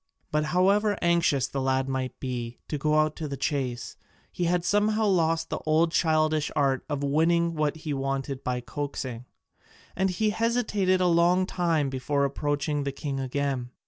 But however anxious the lad might be to go out to the chase, he had somehow lost the old childish art of winning what he wanted by coaxing: and he hesitated a long time before approaching the king again.